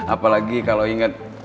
apalagi kalau inget